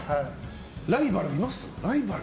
ライバルいます？